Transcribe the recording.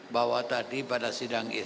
bahwa tadi pada sidang